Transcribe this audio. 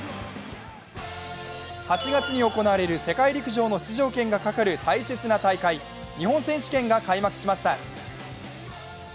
８月に行われる世界陸上の出場権がかかる大切な大会日本選手権が開幕しました。